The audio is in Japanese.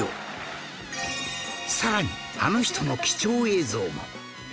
さらにあの人の貴重映像も